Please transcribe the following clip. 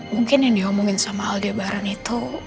mungkin yang diomongin sama aldia barun itu